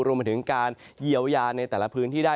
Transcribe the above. รวมถึงการเยียวยาในแต่ละพื้นที่ได้